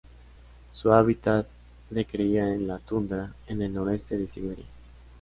Su hábitat de cría es la tundra en el noreste de Siberia.